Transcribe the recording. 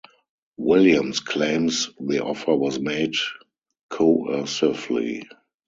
Williams claims the offer was made coercively.